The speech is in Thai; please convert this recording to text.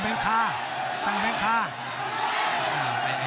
ตั้งแบงค์ค่าตั้งแบงค์ค่า